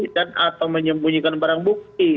dan atau menyembunyikan barang bukti